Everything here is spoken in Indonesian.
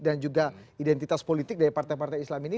dan juga identitas politik dari partai partai islam ini